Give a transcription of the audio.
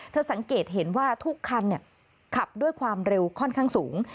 สังเกตเห็นว่าทุกคันขับด้วยความเร็วค่อนข้างสูง